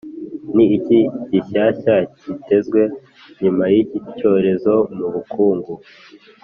Ni iki gishyashya kitezwe nyuma y’iki cyorezo mu bukungu?